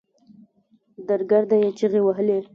درګرده يې چيغې وهلې.